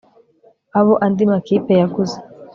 abo andi makipe yaguze